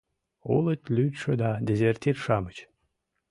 Улыт лӱдшӧ да дезертир-шамыч!»